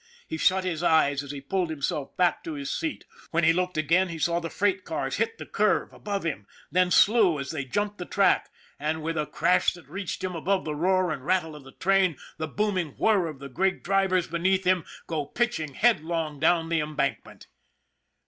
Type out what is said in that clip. He shut his eyes as he pulled himself back to his seat. When he looked again, he saw the freight cars hit the curve above him, then slew as they jumped the track and, with a crash that THE LITTLE SUPER 41 reached him above the roar and rattle of the train, the booming whir of the great drivers beneath him, go pitching headlong down the embankment.